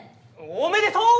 おめでとう！